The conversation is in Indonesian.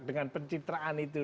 dengan pencitraan itu